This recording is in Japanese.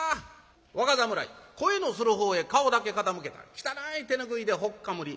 若侍声のするほうへ顔だけ傾けたら汚い手拭いでほっかむり。